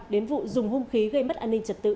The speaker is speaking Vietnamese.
đến vụ dùng hung khí gây mất an ninh trật tự